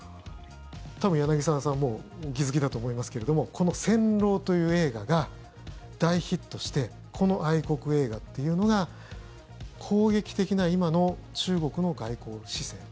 多分、柳澤さんはもうお気付きだと思いますけれどこの「戦狼」という映画が大ヒットしてこの愛国映画というのが攻撃的な今の中国の外交姿勢。